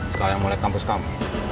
sekalian mau naik kampus kamu